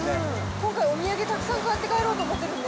今回、お土産たくさん買って帰ろうと思ってるんで。